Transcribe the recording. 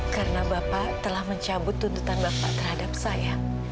karena bapak telah mencabut tuntutan bapak terhadap saya